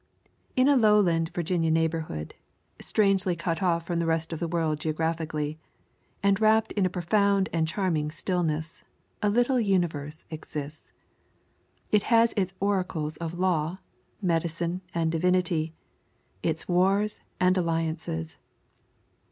In a lowland Virginia neighborhood, strangely cut off from the rest of the world geographically, and wrapped in a profound and charming stillness, a little universe exists. It has its oracles of law, medicine, and divinity; its wars and alliances.